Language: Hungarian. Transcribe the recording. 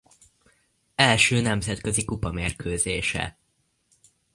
Első nemzetközi kupamérkőzése.